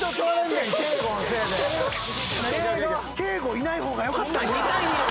いない方がよかったで。